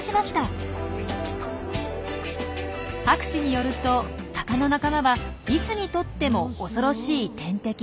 博士によるとタカの仲間はリスにとっても恐ろしい天敵。